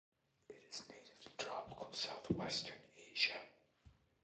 It is native to tropical southwestern Asia.